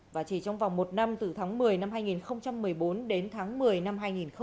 và chỉ trong vòng một năm từ tháng một mươi năm hai nghìn một mươi bốn đến tháng một mươi năm hai nghìn một mươi bảy